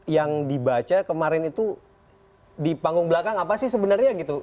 yang dibaca kemarin itu di panggung belakang apa sih sebenarnya gitu